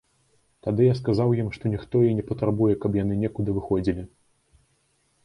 Тады я сказаў ім, што ніхто і не патрабуе, каб яны некуды выходзілі.